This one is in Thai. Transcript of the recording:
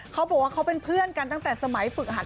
เขาบอกว่าเขาเป็นเพื่อนกันตั้งแต่สมัยฝึกหัด